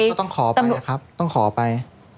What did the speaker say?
ก็ต้องขอไปครับต้องขอไป